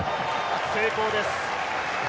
成功です。